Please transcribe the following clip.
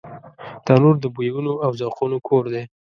تنور د بویونو او ذوقونو کور دی